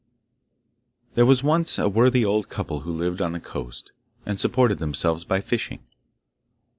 There was once a worthy old couple who lived on the coast, and supported themselves by fishing.